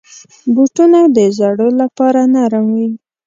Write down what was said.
بوټونه د زړو لپاره نرم وي.